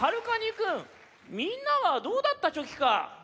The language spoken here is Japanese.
カニくんみんなはどうだったチョキか？